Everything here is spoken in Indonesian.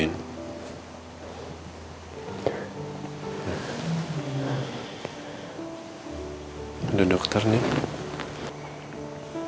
kalau mama dulu bilang